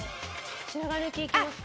白髪抜きいきますか？